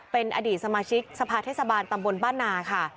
เป็นอดีตสมาชิกสภาเทศบาลตำบลบ้านนาค่ะ